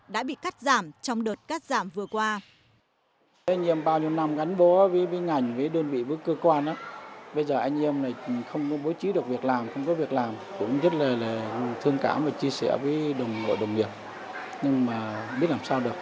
đã bị cắt giảm trong đợt cắt giảm vừa qua